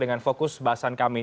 dengan fokus bahasan kami